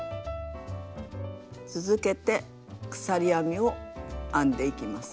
続けて鎖編みを編んでいきます。